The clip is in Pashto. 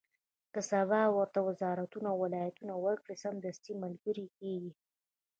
که سبا ورته وزارتونه او ولایتونه ورکړي، سمدستي ملګري کېږي.